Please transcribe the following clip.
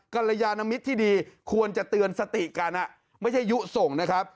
กรยานมิตรที่ดีควรจะเตือนสติกันไม่ใช่ยุส่งนะครับ